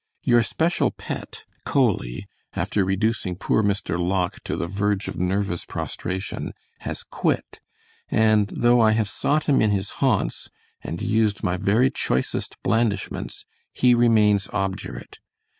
Your special pet, Coley, after reducing poor Mr. Locke to the verge of nervous prostration, has "quit," and though I have sought him in his haunts, and used my very choicest blandishments, he remains obdurate.